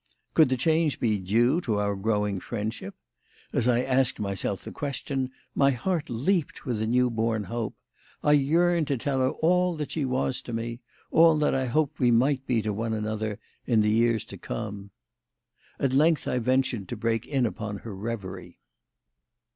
Could the change be due to our growing friendship? As I asked myself the question, my heart leaped with a new born hope. I yearned to tell her all that she was to me all that I hoped we might be to one another in the years to come. At length I ventured to break in upon her reverie.